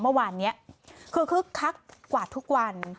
เมื่อวานนี้คือคึกคักกว่าทุกวัน